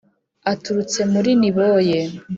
Aturutse muri Niboye